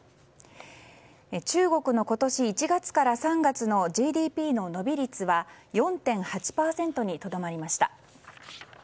中国の今年１月から３月のＧＤＰの伸び率は４．８％にとどまりました。